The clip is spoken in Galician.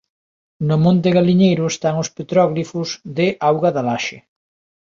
No monte Galiñeiro están os petróglifos de Auga da Laxe.